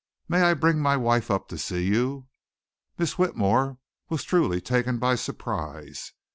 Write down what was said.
May I bring my wife up to see you?" Miss Whitmore was truly taken by surprise.